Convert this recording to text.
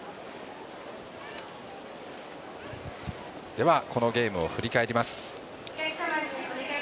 では、このゲームを振り返ります。